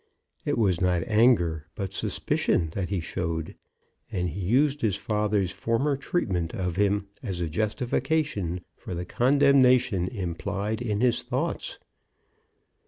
It was not anger but suspicion that he showed; and he used his father's former treatment of him as a justification for the condemnation implied in his thoughts.